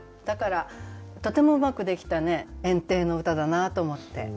だからとてもうまくできた園庭の歌だなと思って。